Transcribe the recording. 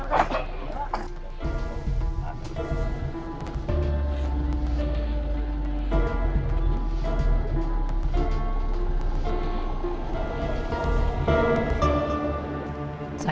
aku beli bus megah